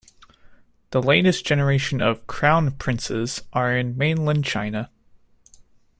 The latest generation of "crown princes" are in mainland China.